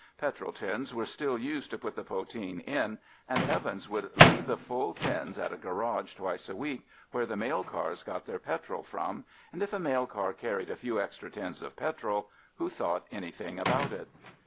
Petrol tins were still used to put the poteen in, and Evans would leave the full tins at a garage twice a week, where the mail cars got their petrol from, and if a mail car carried a few extra tins of petrol, who thought anything about it?